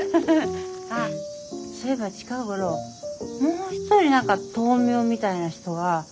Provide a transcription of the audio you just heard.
あっそういえば近頃もう一人何か豆苗みたいな人がいるんだけど。